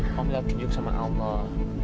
kamu lihat keju sama allah